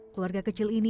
keluarga kecil ini